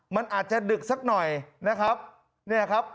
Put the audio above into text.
มันอาจจะดึกสักหน่อยนะครับ